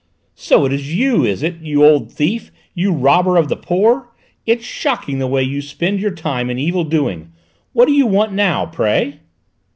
"So it's you, is it, you thief, you robber of the poor! It's shocking, the way you spend your time in evil doing! What do you want now, pray?"